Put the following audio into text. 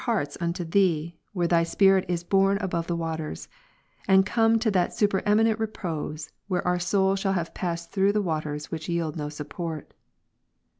281 hearts'^ unto Thee, where Thy Spirit is borne above the wa ters ; and come to that supereminent repose, when our soul shall have passed through the ivaters which yield no support^.